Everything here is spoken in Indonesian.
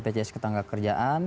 dapat bpjs ketangga kerjaan